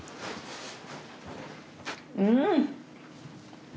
うん！